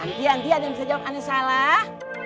nanti nanti ada yang bisa jawab ada yang salah